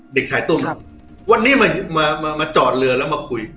เด็กชายตุ้มครับวันนี้มามาจอดเรือแล้วมาคุย